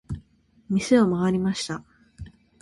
店を回りました。